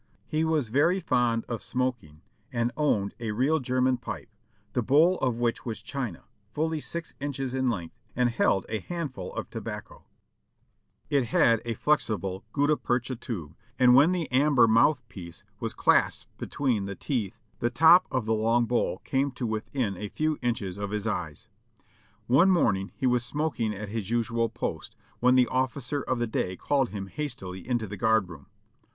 He was very fond of smoking, and owned a real German pipe, the bowl of which was china, fully six inches in length, and held a handful of tobacco. It had a flex RECAPTURED 483 ibie gutta percha tube, and when the aml^er mouth piece was clasped between the teeth the top of the long bowl came to with in a few inches of his eyes. One morning he was smoking at his usual post, when the officer of the day called him hastily into the guard room.